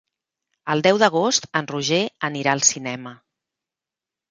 El deu d'agost en Roger anirà al cinema.